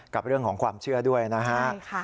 กับเรื่องของความเชื่อด้วยนะฮะ